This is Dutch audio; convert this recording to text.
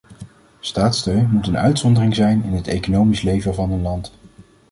Staatssteun moet een uitzondering zijn in het economisch leven van een land.